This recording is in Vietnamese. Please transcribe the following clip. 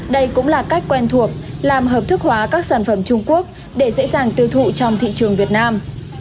đây cũng là cách quen thuộc làm hợp thức hóa các sản phẩm trung quốc để dễ dàng tiêu thụ trong thị trường việt nam